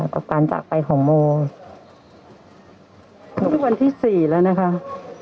กับการจักรไปของโมสวันที่สี่แล้วนะคะ